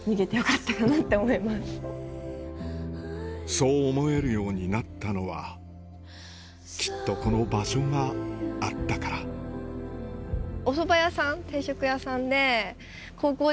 そう思えるようになったのはきっとこの場所があったからおそば屋さん定食屋さんで。